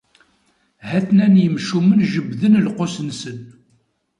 Ha-ten-an yimcumen jebden lqus-nsen.